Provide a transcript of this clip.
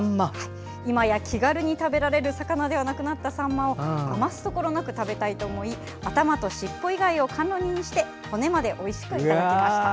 いまや、気軽に食べられる魚ではなくなった、さんまを余すところなく食べたいと思い頭と尻尾以外を甘露煮にして骨までおいしくいただきました。